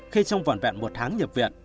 khi trong vòn vẹn một tháng nhập viện